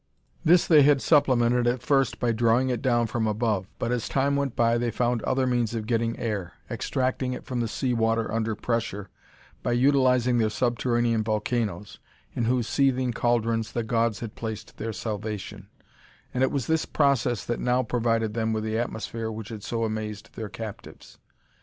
This they had supplemented at first by drawing it down from above, but as time went by they found other means of getting air; extracting it from the sea water under pressure, by utilizing their subterranean volcanoes, in whose seething cauldrons the gods had placed their salvation; and it was this process that now provided them with the atmosphere which had so amazed their captives.